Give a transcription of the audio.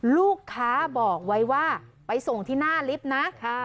ลูกค้าบอกไว้ว่าไปส่งที่หน้าลิฟต์นะ